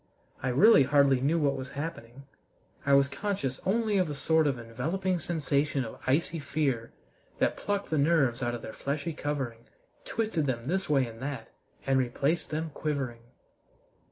I really hardly knew what was happening. I was conscious only of a sort of enveloping sensation of icy fear that plucked the nerves out of their fleshly covering, twisted them this way and that, and replaced them quivering.